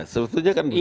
sebetulnya kan begitu